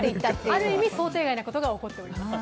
ある意味、想定外のことが起こっております。